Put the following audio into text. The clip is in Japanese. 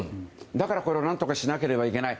だからこれを何とかしなければいけない。